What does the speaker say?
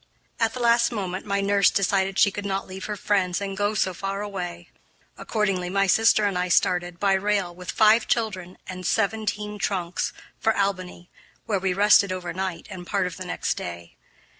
At the last moment my nurse decided she could not leave her friends and go so far away. Accordingly my sister and I started, by rail, with five children and seventeen trunks, for Albany, where we rested over night and part of the next day.